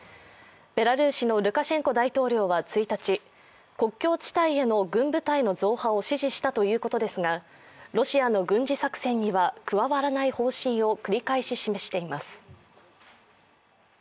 ベラルーシのルカシェンコ大統領は１日国境地帯への軍部隊の増派を指示したということですがロシアの軍事作戦には加わらない方針を繰り返し示しています。